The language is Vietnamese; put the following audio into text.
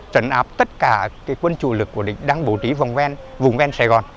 trận áp tất cả quân chủ lực của địch đang bổ trí vùng ven sài gòn